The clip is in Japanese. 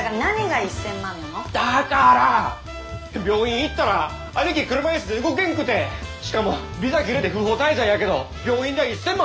だから病院行ったら兄貴車椅子で動けんくてしかもビザ切れて不法滞在やけど病院代１，０００万